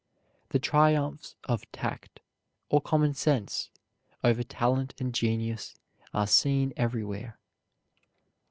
The triumphs of tact, or common sense, over talent and genius, are seen everywhere.